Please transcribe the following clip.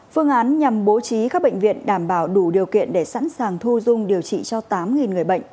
phương án nhằm bố trí các bệnh viện đảm bảo đủ điều kiện để sẵn sàng thu dung điều trị cho tám người bệnh